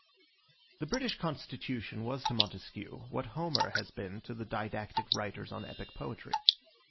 The British Constitution was to Montesquieu what Homer has been to the didactic writers on epic poetry.